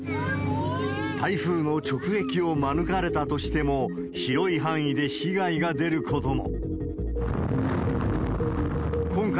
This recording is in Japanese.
台風の直撃を免れたとしても、広い範囲で被害が出ることも。